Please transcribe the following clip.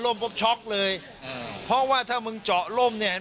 แล้วถ้าคุณชุวิตไม่ออกมาเป็นเรื่องกลุ่มมาเฟียร์จีน